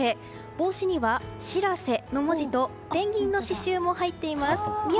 帽子には「しらせ」の文字とペンギンの刺しゅうも入っています。